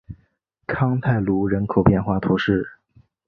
康泰卢人口变化图示